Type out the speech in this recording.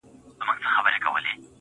صدقه دي تر تقوا او تر سخا سم,